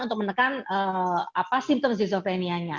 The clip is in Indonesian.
untuk menekan simptom zizoprenianya